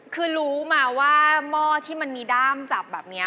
คือรู้มาว่าหม้อที่มันมีด้ามจับแบบนี้